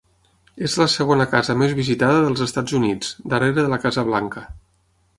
És la segona casa més visitada dels Estats Units, darrere de la Casa Blanca.